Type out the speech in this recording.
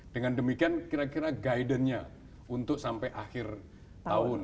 dengan demikian kira kira guidannya untuk sampai akhir tahun